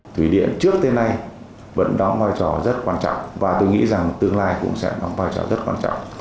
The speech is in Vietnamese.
thủy điện trước tới nay vẫn đóng vai trò rất quan trọng và tôi nghĩ rằng tương lai cũng sẽ đóng vai trò rất quan trọng